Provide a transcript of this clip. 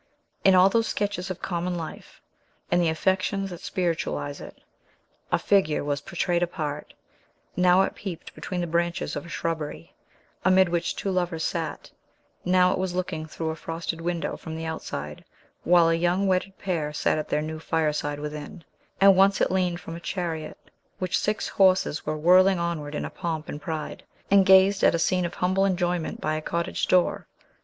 In all those sketches of common life, and the affections that spiritualize it, a figure was portrayed apart, now it peeped between the branches of a shrubbery, amid which two lovers sat; now it was looking through a frosted window, from the outside, while a young wedded pair sat at their new fireside within; and once it leaned from a chariot, which six horses were whirling onward in pomp and pride, and gazed at a scene of humble enjoyment by a cottage door.